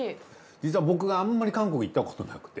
実は僕があんまり韓国行ったことなくて。